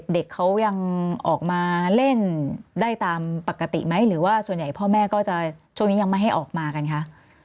เด็กเขายังออกมาเล่นได้ตามปกติไหมหรือว่าส่วนใหญ่พ่อแม่ก็จะช่วงนี้ยังไม่ให้ออกมากันคะ